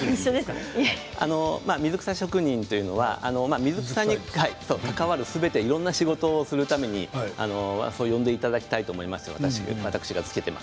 水草職人というのは水草に関わるすべていろんな仕事をするためにそう呼んでいただきたいと思います。